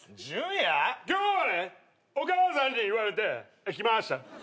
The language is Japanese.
今日はねお母さんにいわれて来ました。